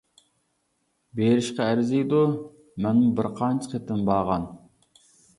بېرىشقا ئەرزىيدۇ، مەنمۇ بىر قانچە قېتىم بارغان!